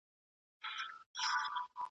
د تاریخ په اړه ښکېلاک روایتونه حاکم وو